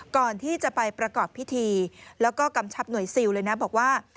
ก่อนที่จะไปประกอบพิธีแล้วก็กำชับหน่วยซิลเลยนะบอกว่า